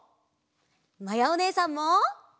まやおねえさんも。